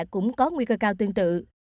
cũng có nguy cơ cao tương tự